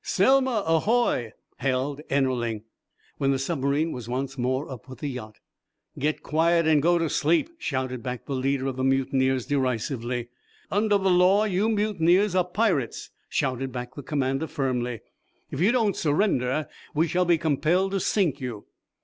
"Selma ahoy!" hailed Ennerling, when the submarine was once more up with the yacht. "Get quiet and go to sleep!" shouted back the leader of the mutineers, derisively. "Under the law you mutineers are pirates," shouted back the commander, firmly. "If you don't surrender we shall be compelled to sink you."